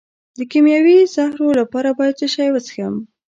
د کیمیاوي زهرو لپاره باید څه شی وڅښم؟